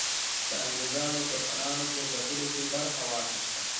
د انګریزانو دښمنانو په ځپلو کې برخه واخیسته.